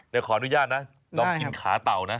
เดี๋ยวขออนุญาตนะลองกินขาเต่านะ